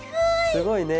すごいね。